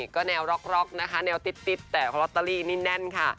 ก็แนวร็อกนะคะแนวติ๊ดแต่ลอตเตอรี่นี่แน่นค่ะ